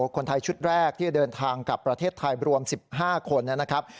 คนไทยชุดแรกที่จะเดินทางกลับประเทศไทยรวม๑๕คนนะครับ